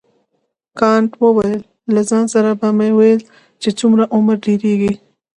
کانت وویل له ځان سره به مې ویل چې څومره عمر ډیریږي.